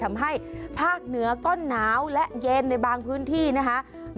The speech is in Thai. ทำให้ภาคเหนือก็หนาวและเย็นในบางพื้นที่นะคะ